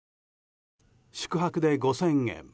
宿泊で５０００円